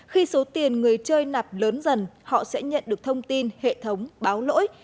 khi số tiền người chơi nạp lớn dần họ sẽ nhận được thông tin hệ thống báo lỗi